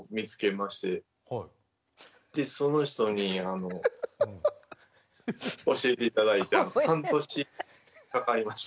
でその人に教えて頂いて半年かかりました。